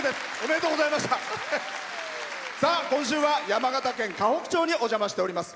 今週は山形県河北町にお邪魔しております。